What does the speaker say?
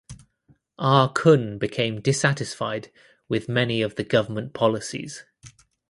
Ah Kun became dissatisfied with many of the government policies.